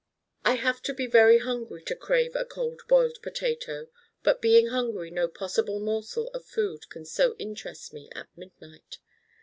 I have to be very hungry to crave a Cold Boiled Potato, but being hungry no possible morsel of food can so interest me at midnight.